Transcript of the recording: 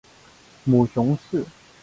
母熊氏。